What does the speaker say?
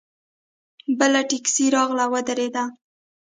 بله ټیکسي راغله ودرېده.